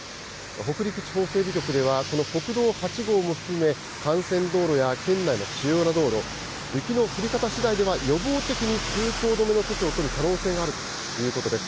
北陸地方整備局ではこの国道８号も含め、幹線道路や県内の主要な道路、雪の降り方しだいでは予防的に通行止めの措置を取る可能性があるということです。